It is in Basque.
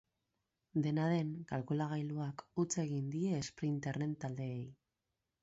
Dena den, kalkulagailuak huts egin die esprinterren taldeei.